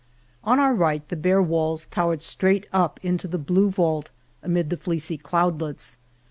On our right the bare walls towered straight up into the blue vault amid the fleecy cloudlets.